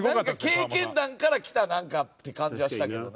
経験談からきたなんかって感じはしたけどね。